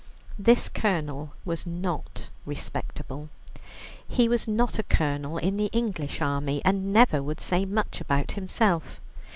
This Colonel was not respectable. He was not a Colonel in the English army, and never would say much about himself.